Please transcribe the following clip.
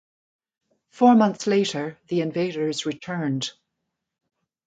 Four months later the invaders returned.